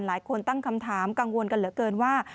หลายคนตั้งคำถามกังวลกันเหลือเกินว่า